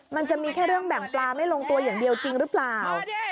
มันจะมีแค่เรื่องแบ่งปลาไม่ลงตัวอย่างเดียวจริงหรือเปล่า